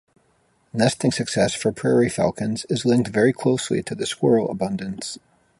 Nesting success for prairie falcons is linked very closely to the squirrel abundance.